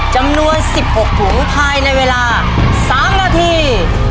จำนวน๑๖ถุงภายในเวลา๓นาที